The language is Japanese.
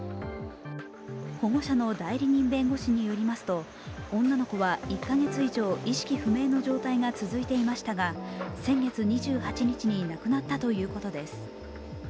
保護者の代理人弁護士によりますと女の子は１か月以上意識不明の状態が続いていましたが先月２８日に亡くなったということです。